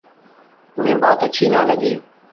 انہیں بات اچھی نہ لگی۔